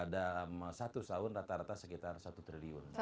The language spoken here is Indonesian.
dalam satu tahun rata rata sekitar satu triliun